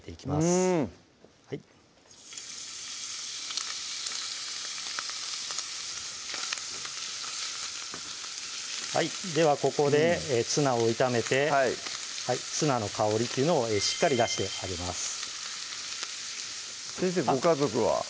うんではここでツナを炒めてツナの香りっていうのをしっかり出してあげます先生ご家族は？